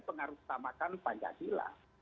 pengaruh utamakan pancasila